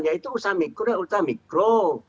yaitu usaha mikro dan usaha mikro